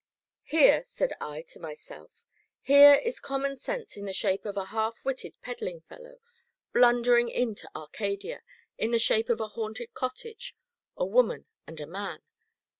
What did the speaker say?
"Here," said I to myself, "here is Common sense in the shape of a half witted peddling fellow, blundering into Arcadia, in the shape of a haunted cottage, a woman, and a man.